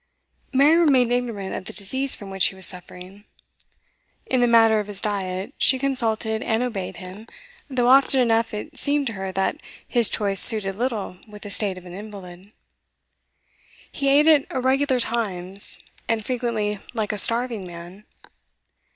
Mary remained ignorant of the disease from which he was suffering; in the matter of his diet, she consulted and obeyed him, though often enough it seemed to her that his choice suited little with the state of an invalid. He ate at irregular times, and frequently like a starving man.